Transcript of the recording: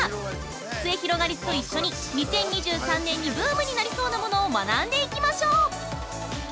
すゑひろがりずと一緒に２０２３年にブームになりそうなものを学んでいきましょう！